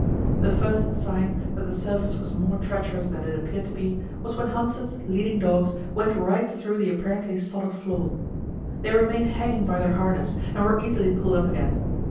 The first sign that the surface was more treacherous than it appeared to be was when Hanssen's leading dogs went right through the apparently solid floor. They remained hanging by their harness, and were easily pulled up again.